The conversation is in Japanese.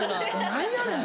何やねん！